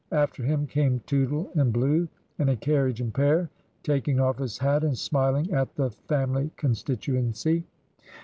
After him came Tootle in Blue and a carriage and pair, taking off'his hat and smiling at the family constituency.